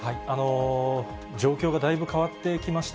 状況がだいぶ変わってきました。